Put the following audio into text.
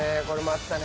あったね。